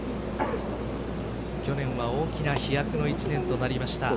去年は大きな飛躍の一年となりました。